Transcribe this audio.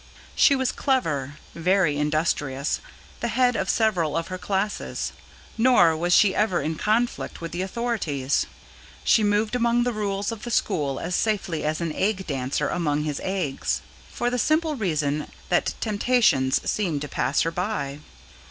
She was clever, very industrious, the head of several of her classes. Nor was she ever in conflict with the authorities: she moved among the rules of the school as safely as an egg dancer among his eggs. For the simple reasons that temptations seemed to pass her by.